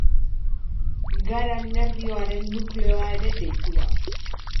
Gara nerbioaren nukleoa ere deitua.